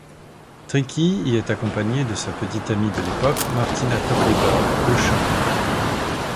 Tricky y est accompagné de sa petite amie de l'époque Martina Topley-Bird au chant.